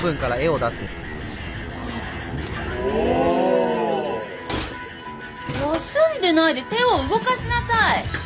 おお！休んでないで手を動かしなさい！